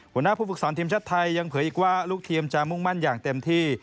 หัวหน้าผู้ฝึกสอนทีมชาติไทยยังเผยอีกว่าลูกทีมจะมุ่งมั่นอย่างเต็มที่